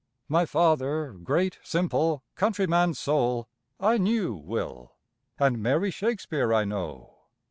My father, great, simple, countryman's soul, I knew, Will, and Mary Shakespeare I know.